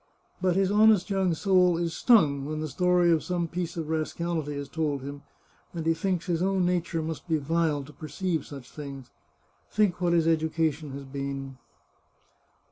But his honest young soul is stung when the story of some piece of rascality is told him, and he thinks his own nature must be vile to perceive such things. Think what his education has been."